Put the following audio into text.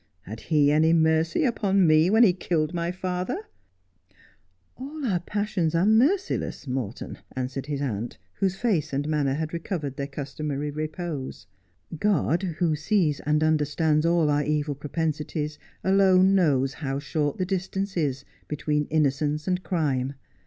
Had he any mercy upon me when he killed my father 1 '' All our passions are merciless, Morton,' answered his aunt, whose face and manner had recovered their customary repose. ' God who sees and understands all our evil propensities alone knows how short the distance is between innocence and crime.